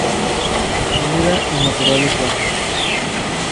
Anida en matorrales bajos.